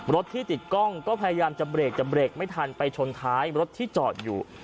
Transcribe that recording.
รถที่ติดกล้องก็พยายามจะเบรกจะเบรกไม่ทันไปชนท้ายรถที่จอดอยู่